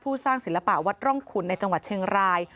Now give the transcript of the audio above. สร้างศิลปะวัดร่องขุนในจังหวัดเชียงราย